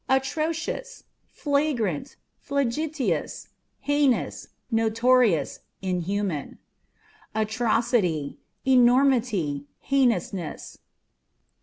Atrocious â€" flagrant, flagitious, heinous, notorious, inhuman. Atrocity â€" enormity, heinousness.